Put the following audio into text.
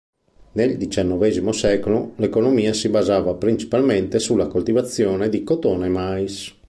Nel diciannovesimo secolo l'economia si basava principalmente sulla coltivazione di cotone e mais.